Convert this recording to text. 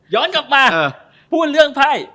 กลับมาพูดเรื่องไพ่